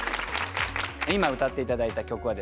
今歌って頂いた曲はですね